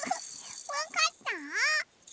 わかった？